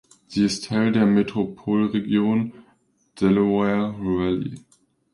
Sie ist Teil der Metropolregion Delaware Valley.